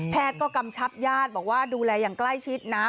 ก็กำชับญาติบอกว่าดูแลอย่างใกล้ชิดนะ